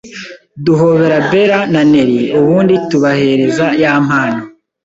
duhobera Bella na Nelly ubundi tubahereza ya mpano